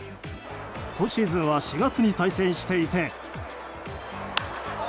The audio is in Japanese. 今シーズンは４月に対戦していて。